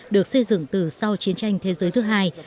được xây dựng từ sau chiến tranh thế giới thứ hai